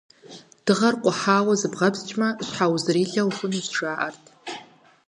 Дыгъэр къухьауэ зыбгъэпскӀмэ, щхьэузырилэ ухъунущ, жаӀэрт.